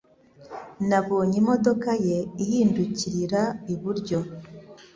Nabonye imodoka ye ihindukirira iburyo.